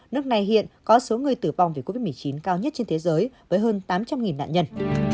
nước này hiện có số người tử vong vì covid một mươi chín cao nhất trên thế giới với hơn tám trăm linh nạn nhân